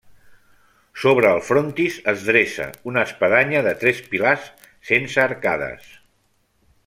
Sobre el frontis es dreça una espadanya de tres pilars sense arcades.